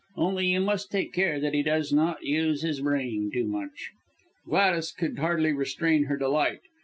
Only you must take care that he does not use his brain too much." Gladys could hardly restrain her delight.